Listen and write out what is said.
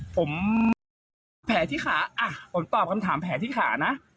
ผมแผลที่ขาอ่ะผมตอบคำถามแผลที่ขานะ